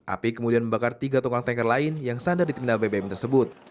api kemudian membakar tiga tukang tanker lain yang sandar di terminal bbm tersebut